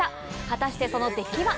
果たしてその出来は？